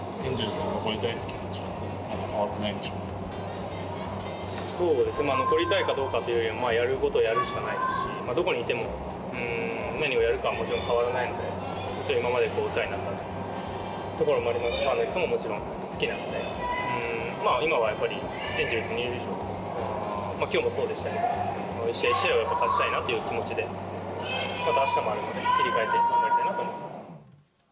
そうですね、残りたいかどうかというよりも、やることをやるしかないですし、どこに行っても、何をやるかはもちろん変わらないので、今までお世話になったところもありますし、ファンももちろん好きなので、今はやっぱり、エンゼルスにいる以上は、きょうもそうでしたけど、一試合一試合を勝ちたいなっていう気持ちで、またあしたもあるので、切り替えて頑張りたいなと思います。